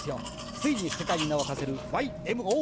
ついに世界に名をはせるＹ．Ｍ．Ｏ．。